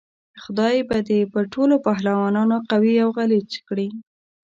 خدای به دې پر ټولو پهلوانانو قوي او غلیچ کړي.